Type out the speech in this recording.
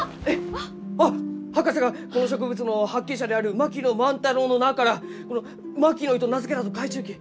博士がこの植物の発見者である槙野万太郎の名からこの「マキノイ」と名付けたと書いちゅうき。